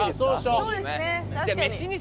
そうですね。